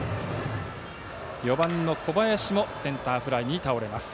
４番、小林もセンターフライに倒れます。